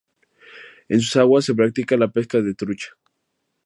En sus aguas se practica la pesca de trucha.